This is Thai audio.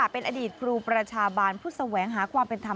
เป็นอดีตครูประชาบาลผู้แสวงหาความเป็นธรรม